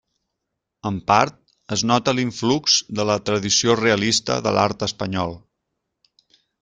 En part es nota l’influx de la tradició realista de l’art espanyol.